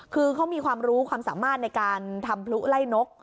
คือเขามีความรู้ความสามารถในการทำพลุไล่นก